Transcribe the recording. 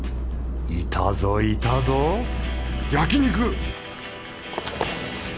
いたぞいたぞ焼肉！